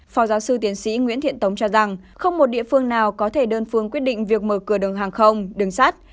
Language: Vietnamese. phó giáo sư tiến sĩ nguyễn thiện tống cho rằng không một địa phương nào có thể đơn phương quyết định việc mở cửa đường hàng không đường sắt